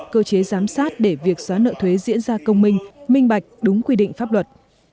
cơ chế giám sát để việc xóa nợ thuế diễn ra công minh minh bạch đúng quy định pháp luật